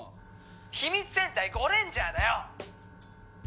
「秘密戦隊ゴレンジャーだよ！」